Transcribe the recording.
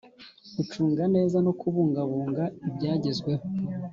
gucunga neza no kubungabunga ibya gezweho